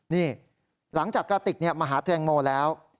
นี่หลังจากกระติกมาหาแตงโมแล้ว